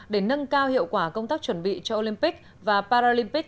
để nâng cao hiệu quả công tác chuẩn bị cho olympic và paralympic